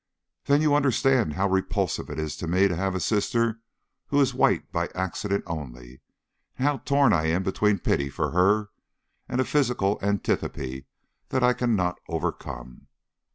"Then you understand how repulsive it is to me to have a sister who is white by accident only, and how torn I am between pity for her and a physical antipathy that I cannot overcome?"